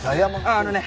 あのね